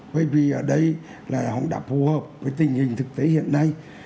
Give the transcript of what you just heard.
bởi vì ở đây là họ đã phù hợp với tình hình thực tế hiện nay